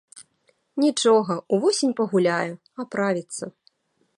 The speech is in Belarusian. Нічога, увосень пагуляе, аправіцца.